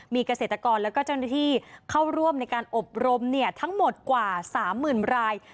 มีเกษตรกรและเจ้าหน้าที่เข้าร่วมในการอบรมทั้งหมดกว่า๓๐๐๐ราย